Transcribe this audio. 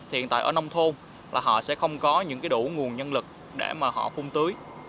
hiện tại ở nông thôn là họ sẽ không có những đủ nguồn nhân lực để mà họ phung tưới